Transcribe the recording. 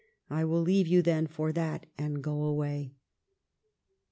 I will leave you, then, for that, and go away."